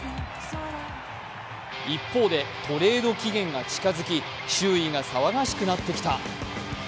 一方でトレード期限が近づき周囲が騒がしくなってきた。